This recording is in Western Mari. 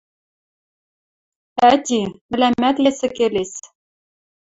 — Ӓти, мӹлӓмӓт есӹ келес...